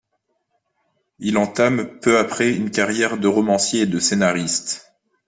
Il entame peu après une carrière de romancier et de scénariste.